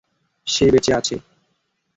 সে বেঁচে আছে।